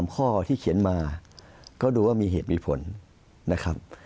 ข้อที่เขียนมาก็ดูว่ามีเหตุมีผลนะครับ